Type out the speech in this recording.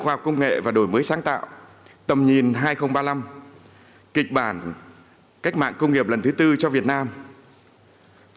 ông justin wood cho biết